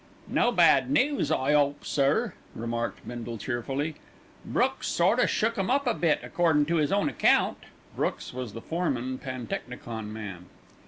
"No bad news, I 'ope, sir," remarked Bindle cheerfully. "Brooks sort o' shook 'im up a bit, accordin' to 'is own account." Brooks was the foreman pantechnicon man.